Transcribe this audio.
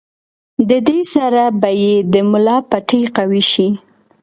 د دې سره به ئې د ملا پټې قوي شي